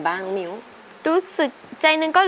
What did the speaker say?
ร้องได้ให้ร้องได้